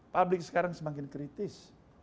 publik sekarang semakin kritis